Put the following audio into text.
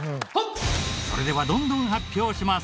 それではどんどん発表します。